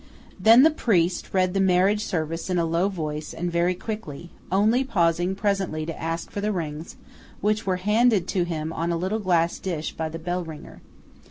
Then the priest read the marriage service in a low voice and very quickly, only pausing presently to ask for the rings, which were handed to him on a little glass dish by the bellringer.